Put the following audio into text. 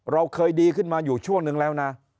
เราเคยดีขึ้นมาอยู่ช่วงนึงแล้วนะ